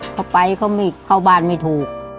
เขาไปเขาไม่เข้าบ้านไม่ถูก